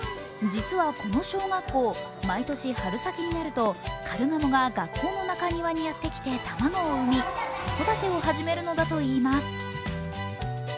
実はこの小学校毎年春先になると、カルガモが学校の中庭にやってきて卵を産み子育てを始めるのだといいます。